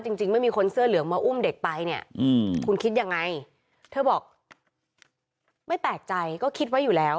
จริงจริงไม่มีคนเสื้อเหลืองมาอุ้มเด็กไปเนี่ยคุณคิดยังไงเธอบอกไม่แปลกใจก็คิดไว้อยู่แล้ว